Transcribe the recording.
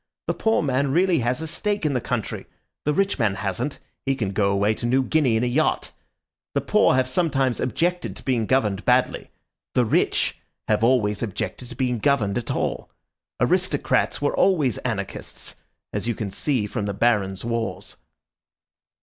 The poor man really has a stake in the country. The rich man hasn't; he can go away to New Guinea in a yacht. The poor have sometimes objected to being governed badly; the rich have always objected to being governed at all. Aristocrats were always anarchists, as you can see from the barons' wars."